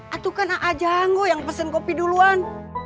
aduh kan aja anggo yang pesen kopi duluan